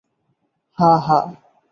হা, হা।